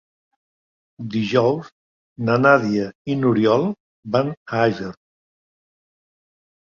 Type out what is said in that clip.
Dijous na Nàdia i n'Oriol van a Àger.